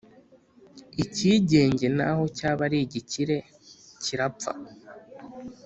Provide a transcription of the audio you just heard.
icyigenge naho cyaba ari igikire kirapfa